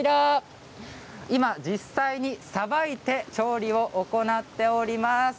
今、実際にさばいて調理も行っております。